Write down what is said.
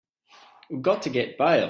We've got to get bail.